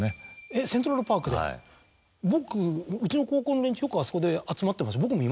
僕うちの高校の連中よくあそこで集まってました。